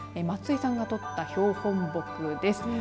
松井さんが撮った標本木です。